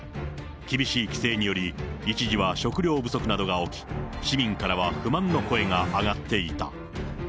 厳しい規制により、一時は食料不足などが起き、市民からは不満の声が上がっていた。